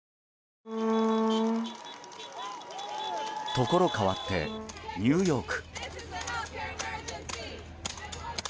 ところ変わってニューヨーク。